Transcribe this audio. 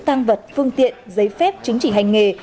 tăng vật phương tiện giấy phép chứng chỉ hành nghề